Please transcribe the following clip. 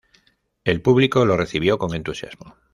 El público lo recibió con entusiasmo.